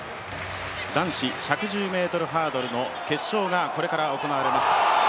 男子１１０ｍハードルの決勝がこれから行われます。